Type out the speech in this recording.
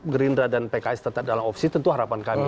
gerindra dan pks tetap dalam opsi tentu harapan kami